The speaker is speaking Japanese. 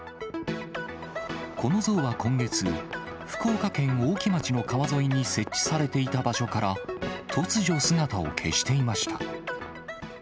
この像は今月、福岡県大木町の川沿いに設置されていた場所から、突如姿を消していました。